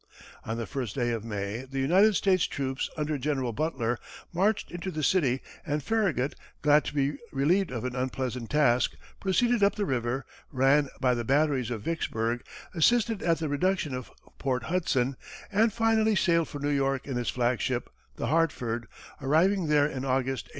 On the first day of May, the United States troops under General Butler, marched into the city, and Farragut, glad to be relieved of an unpleasant task, proceeded up the river, ran by the batteries at Vicksburg, assisted at the reduction of Port Hudson, and finally sailed for New York in his flagship, the Hartford, arriving there in August, 1863.